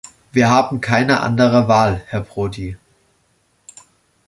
Wir haben keine andere Wahl, Herr Prodi.